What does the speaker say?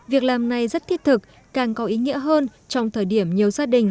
việc làm này rất thiết thực càng có ý nghĩa hơn trong thời điểm nhiều gia đình